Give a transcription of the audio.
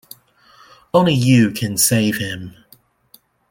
Only you can save him.